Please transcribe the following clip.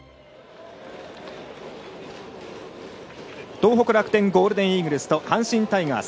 東北楽天ゴールデンイーグルスと阪神タイガース。